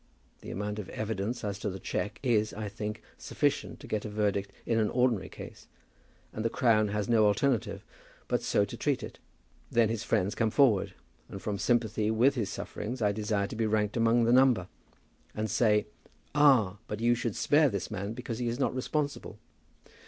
The amount of evidence as to the cheque is, I think, sufficient to get a verdict in an ordinary case, and the Crown has no alternative but so to treat it. Then his friends come forward, and from sympathy with his sufferings, I desire to be ranked among the number, and say, 'Ah, but you should spare this man, because he is not responsible.'